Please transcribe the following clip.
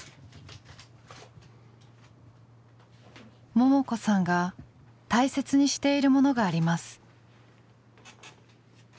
ももこさんが大切にしているものがあります。